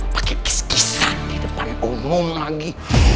pakai kisah kisah di depan umum lagi